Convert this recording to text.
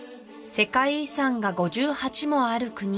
世界遺産が５８もある国